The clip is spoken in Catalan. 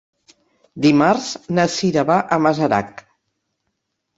Dimarts na Cira va a Masarac.